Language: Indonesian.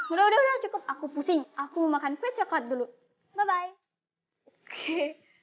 udah udah cukup aku pusing aku mau makan kue coklat dulu bye bye